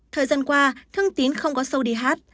thời gian qua thương tín không có sâu đi hát